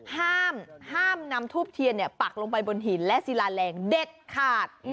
ห้ามนำทูบเทียนปักลงไปบนหินและศิลาแรงเด็ดขาด